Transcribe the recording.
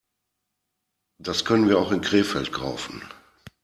Das können wir auch in Krefeld kaufen